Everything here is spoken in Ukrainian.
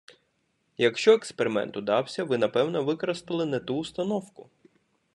Якщо експеримент удався, ви напевно використали не ту установку.